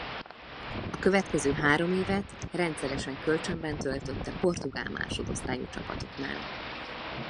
A következő három évet rendszeresen kölcsönben töltötte portugál másodosztályú csapatoknál.